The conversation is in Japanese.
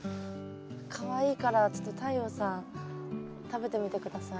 かわいいからちょっと太陽さん食べてみて下さい。